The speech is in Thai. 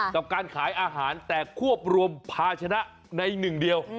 กับการขายอาหารแต่ควบรวมภาชนะในหนึ่งเดียว